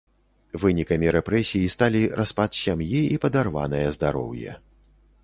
Вынікамі рэпрэсій сталі распад сям'і і падарванае здароўе.